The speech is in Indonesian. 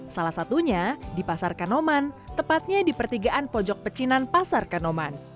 salah satunya di pasar kanoman tepatnya di pertigaan pojok pecinan pasar kanoman